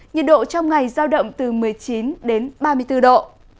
nhiệt độ trong ngày giao động từ một mươi chín đến ba mươi bốn độ